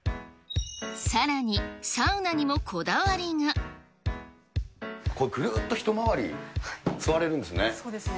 さらに、サウナにもこだわりぐるーっと一回り、座れるんですね。